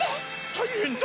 ・・たいへんだ！